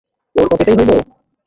ওর পকেটেই হইব?